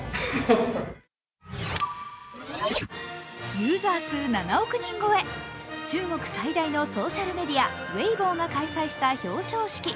ユーザー数７億人超え、中国最大のソーシャルメディア、Ｗｅｉｂｏが開催した表彰式。